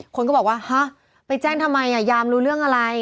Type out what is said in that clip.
คนก็บอกว่าฮะไปแจ้งทำไมยามรู้เรื่องอะไร